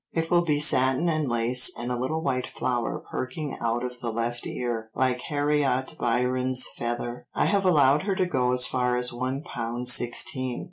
It will be satin and lace and a little white flower perking out of the left ear, like Harriot Byron's feather. I have allowed her to go as far as one pound sixteen."